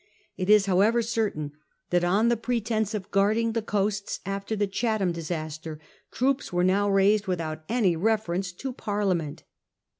It is however certain that, on pretence of guarding the coasts after the Chatham disaster, troops were now raised without any reference to Parliament.